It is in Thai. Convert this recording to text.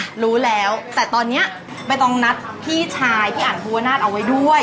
รู้แล้วแต่ตอนนี้ไม่ต้องนัดพี่ชายพี่อันภูวนาศเอาไว้ด้วย